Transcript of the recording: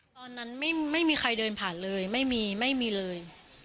ตอนนั้นไม่มีใครเดินผ่านเลยไม่มีไม่มีเลย